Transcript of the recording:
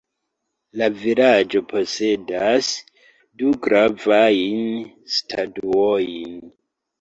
La vilaĝo posedas du gravajn statuojn.